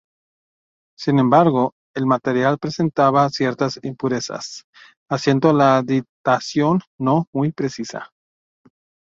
Sin embargo, el material presentaba ciertas impurezas, haciendo la datación no muy precisa.